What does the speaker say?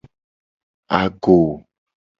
Ago.